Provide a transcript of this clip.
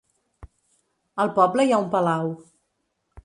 Al poble hi ha un palau.